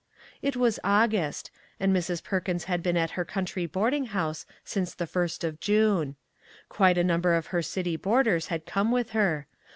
It was August, and Mrs. Perkins had been at her country boarding house since the first of June. Quite a number of her city boarders had come with her.